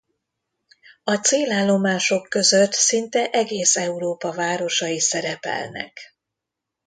A célállomások között szinte egész Európa városai szerepelnek.